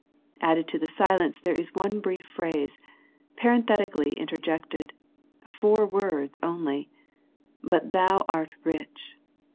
Added to the silence there is one brief phrase, parenthetically interjected, four words only, " But thou art rich."